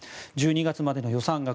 １２月までの予算額